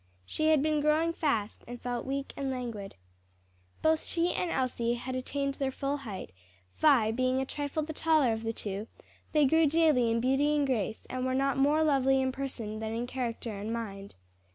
She had been growing fast, and felt weak and languid. Both she and Elsie had attained their full height, Vi being a trifle the taller of the two; they grew daily in beauty and grace, and were not more lovely in person than in character and mind.